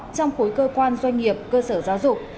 trong khối cơ quan doanh nghiệp cơ sở giáo dục